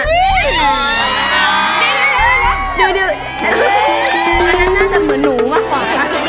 ตัวนั้นน่าจะเหมือนหนูมากกว่า